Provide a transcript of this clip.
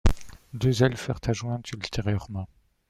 Deux ailes furent adjointes ultérieurement.